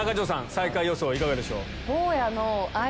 最下位予想はいかがでしょう？